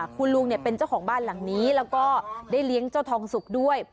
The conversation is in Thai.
คุณลุงเป็นเจ้าของบ้านหลังนี้แล้วก็ได้เลี้ยงเจ้าทองสุกด้วย